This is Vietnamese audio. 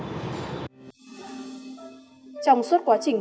trong suốt quá trình